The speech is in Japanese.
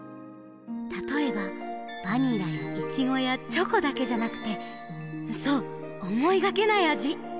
たとえばバニラやイチゴやチョコだけじゃなくてそうおもいがけないあじ！